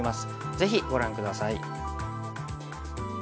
ぜひご覧下さい。